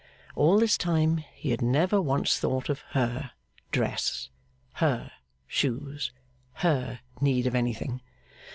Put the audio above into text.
All this time he had never once thought of her dress, her shoes, her need of anything.